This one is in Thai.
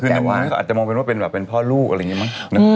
คืออันนี้ก็มองเป็นว่าแบบเป็นพ่อลูกอะไรแบบนี้มั้ง